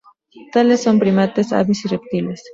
Tales son primates, aves y reptiles.